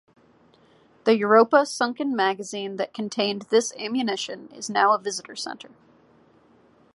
The Europa Sunken Magazine that contained this ammunition is now a visitor centre.